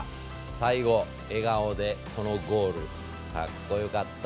最後笑顔でこのゴールかっこよかった。